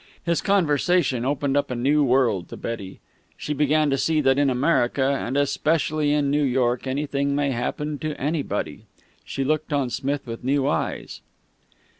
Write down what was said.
His conversation opened up a new world to Betty. She began to see that in America, and especially in New York, anything may happen to anybody. She looked on Smith with new eyes.